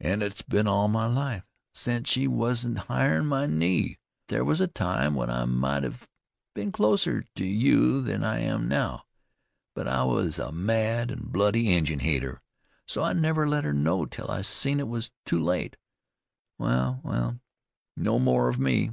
"An' it's been all my life, since she wasn't higher 'n my knee. There was a time when I might hev been closer to you than I am now. But I was a mad an' bloody Injun hater, so I never let her know till I seen it was too late. Wal, wal, no more of me.